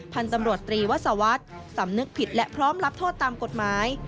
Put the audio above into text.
พันธุ์ตำรวจตรีวัศวรรษสำนึกผิดและพร้อมรับโทษตามกฎหมาย